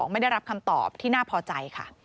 ไม่ได้รับคำตอบที่น่าพอใจค่ะ